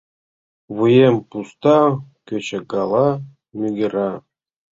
— Вуем пуста кӧчагала мӱгыра...